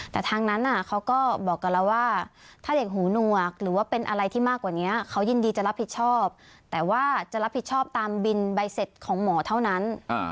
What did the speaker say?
แต่ทางนั้นเขาก็บอกกับเราว่าถ้าเด็กหูหนวกหรือว่าเป็นอะไรที่มากกว่านี้เขายินดีจะรับผิดชอบแต่ว่าจะรับผิดชอบตามบินใบเสร็จของหมอเท่านั้น